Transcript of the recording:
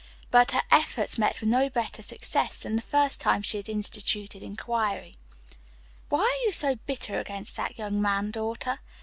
But her efforts met with no better success than the first time she had instituted inquiry. "Why are you so bitter against that young man, daughter?"